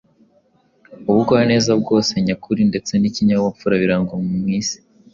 Ubugwaneza bwose nyakuri ndetse n’ikinyabupfura birangwa mu isi,